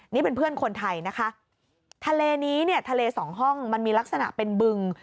นี่เป็นเพื่อนคนไทยนะคะทะเลนี้เนี่ยทะเลสองห้องมันมีลักษณะเป็นบึง